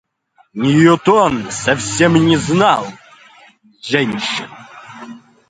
Ньютон совсем не знал женщин.